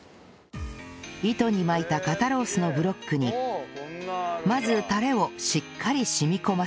糸に巻いた肩ロースのブロックにまずタレをしっかり染み込ませます